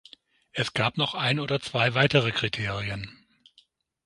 Es gab noch ein oder zwei weitere Kriterien.